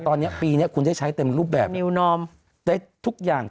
ตอนนี้ปีนี้คุณได้ใช้เต็มรูปแบบนิวนอมได้ทุกอย่าง